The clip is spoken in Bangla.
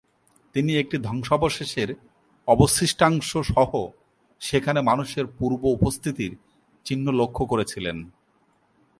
তিনি একটি ধ্বংসাবশেষের অবশিষ্টাংশ সহ সেখানে মানুষের পূর্ব উপস্থিতির চিহ্ন লক্ষ্য করেছিলেন।